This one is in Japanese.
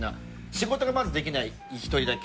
仕事がまずできない１人だけ。